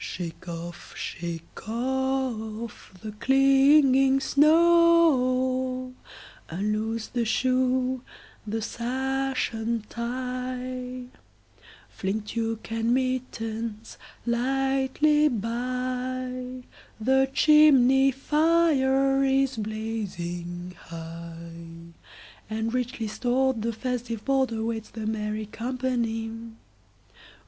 Shake off, shake off the clinging snow; Unloose the shoe, the sash untie, Fling tuque and mittens lightly by; The chimney fire is blazing high, And, richly stored, the festive boardAwaits the merry company.